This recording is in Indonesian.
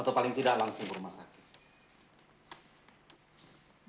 atau paling tidak langsung ke rumah sakit